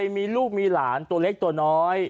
มีลูกมีหลานตัวเล็กตัวน้อย